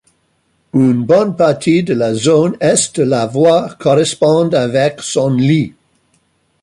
Une bonne partie de la zone est de la voie correspond avec son lit.